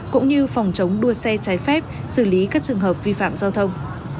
cũng như phòng chống đua xe trái phép xử lý các trường hợp vi phạm giao thông